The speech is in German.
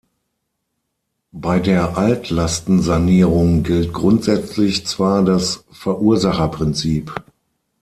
Bei der Altlastensanierung gilt grundsätzlich zwar das Verursacherprinzip.